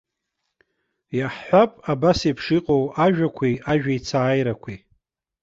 Иаҳҳәап, абас еиԥш иҟоу ажәақәеи ажәеицааирақәеи.